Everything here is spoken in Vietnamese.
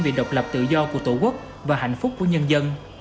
vì độc lập tự do của tổ quốc và hạnh phúc của nhân dân